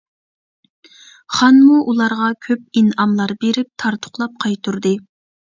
خانمۇ ئۇلارغا كۆپ ئىنئاملار بېرىپ تارتۇقلاپ قايتۇردى.